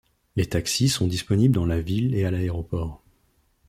Les taxis sont disponibles dans la ville et à l'aéroport.